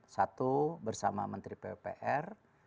satu bersama menteri pppr